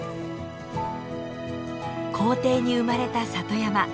校庭に生まれた里山。